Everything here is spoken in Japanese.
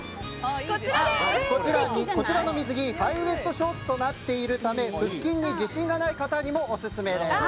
こちらの水着ハイウエストショーツとなっているため腹筋に自信がない方にもオススメです。